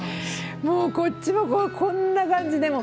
もうこっちもこんな感じで。